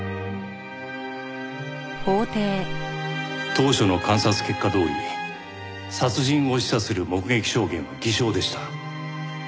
当初の監察結果どおり殺人を示唆する目撃証言は偽証でした。